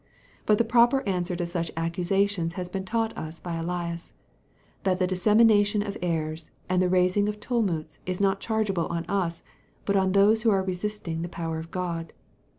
But the proper answer to such accusations has been taught us by Elias, that the dissemination of errors and the raising of tumults is not chargeable on us, but on those who are resisting the power of God.